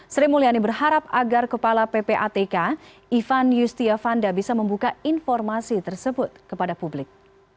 sri mulyani berharap agar kepala ppatk ivan yustiavanda bisa membuka informasi tersebut kepada publik